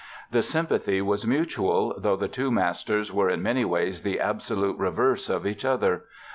The sympathy was mutual, though the two masters were in many ways the absolute reverse of each other.